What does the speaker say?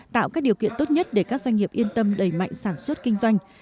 tạo các điều kiện tốt nhất để các doanh nghiệp yên tâm đầy mạnh sản xuất kinh doanh